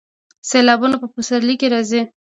سیلابونه په پسرلي کې راځي